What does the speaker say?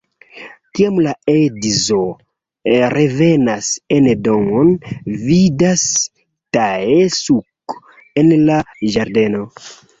Kiam la edzo revenas en domon, vidas Tae-Suk en la ĝardeno.